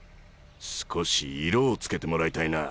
少し色を付けてもらいたいな。